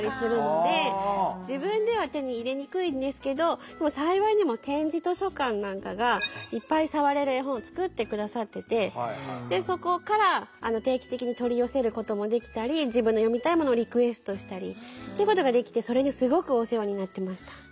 ただやっぱり幸いにも点字図書館なんかがいっぱい触れる絵本を作って下さっててでそこから定期的に取り寄せることもできたり自分の読みたいものをリクエストしたりってことができてそれにすごくお世話になってました。